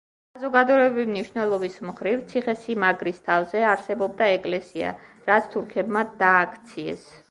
საზოგადოებრივი მნიშვნელობის მხრივ, ციხე-სიმაგრის თავზე არსებობდა ეკლესია, რაც თურქებმა დააქციეს.